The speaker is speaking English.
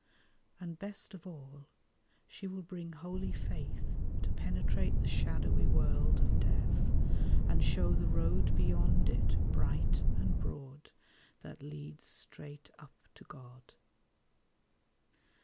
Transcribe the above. And best of all, she will bring holy faith To penetrate the shadowy world of death, And show the road beyond it, bright and broad, That leads straight up to God.